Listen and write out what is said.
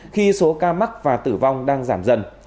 khi số ca mắc và tử vong đang giảm dần